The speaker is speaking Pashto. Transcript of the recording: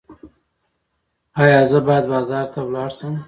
ایا زه باید بازار ته لاړ شم؟